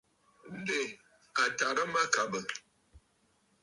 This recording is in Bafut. Ǹdè à tàrə mâkàbə̀.